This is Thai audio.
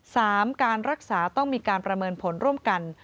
การรักษาต้องมีการประเมินผลร่วมกัน